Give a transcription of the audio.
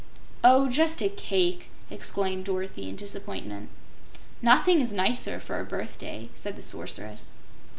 "Oh, just a CAKE!" exclaimed Dorothy, in disappointment. "Nothing is nicer for a birthday," said the Sorceress.